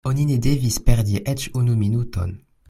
Oni ne devis perdi eĉ unu minuton.